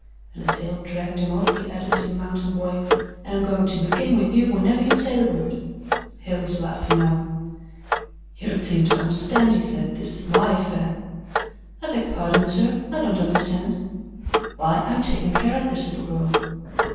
And as Hale dragged him off he added to the mountain boy, "and I'm going to begin with you whenever you say the word." Hale was laughing now. "You don't seem to understand," he said, "this is my affair." "I beg your pardon, sir, I don't understand." "Why, I'm taking care of this little girl."